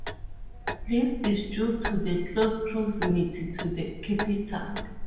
This is due to the close proximity to the capital.